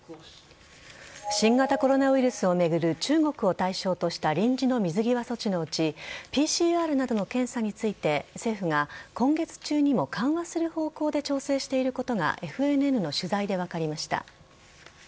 新型コロナウイルスを巡る中国を対象とした臨時の水際措置のうちＰＣＲなどの検査について政府が今月中にも緩和する方向で調整していることがＦＮＮの取材で分かりました。